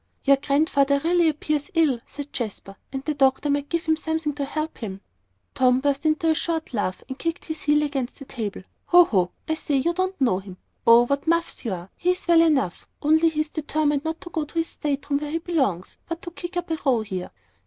"Your Grandfather really appears ill," said Jasper. "And the doctor might give him something to help him." Tom burst into a short laugh and kicked his heel against the table. "Hoh! hoh! I say, you don't know him; oh, what muffs you are! He's well enough, only he's determined not to go to his state room where he belongs, but to kick up a row here."